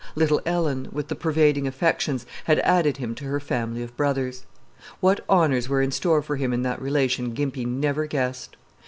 Little Ellen, with the pervading affections, had added him to her family of brothers. What honors were in store for him in that relation Gimpy never guessed.